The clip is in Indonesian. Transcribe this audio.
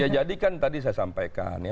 jadi kan tadi saya sampaikan